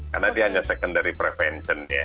karena dia hanya secondary prevention ya